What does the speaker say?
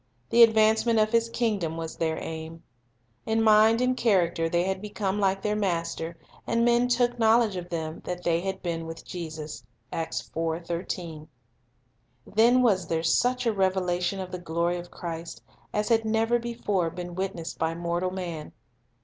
The advancement of His king dom was their aim. In mind and character they had become like their Master; and men "took knowledge of them, that they had been with Jesus." 3 Then was there such a revelation of the glory of Christ as had never before been witnessed by mortal man.